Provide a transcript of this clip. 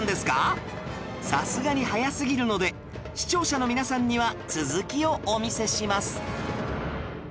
さすがに早すぎるので視聴者の皆さんには続きをお見せします